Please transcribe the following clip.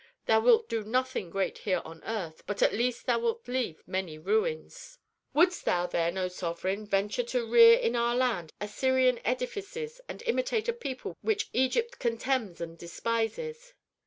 Thou wilt do nothing great here on earth, but at least thou wilt leave many ruins.' "Wouldst thou, then, O sovereign, venture to rear in our land Assyrian edifices and imitate a people which Egypt contemns and despises?"